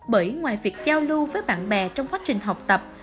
bởi ngoài việc giao lưu với bạn bè trong quá trình học tập